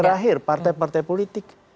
terakhir partai partai politik